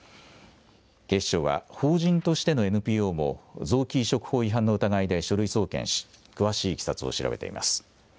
警視庁は法人としてのＮＰＯも臓器移植法違反の疑いで書類送検し、詳しいいきさつを調べています。